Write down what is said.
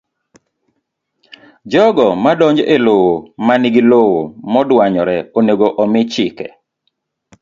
jogo madonjo e lowo ma nigi lowo modwanyore onego omi chike